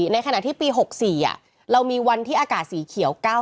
ในขณะที่ปี๖๔เรามีวันที่อากาศสีเขียว